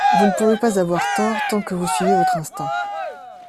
Vous ne pouvez pas avoir tort tant que vous suivez votre instinct.